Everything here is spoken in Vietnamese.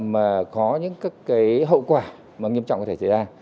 mà có những các cái hậu quả mà nghiêm trọng có thể xảy ra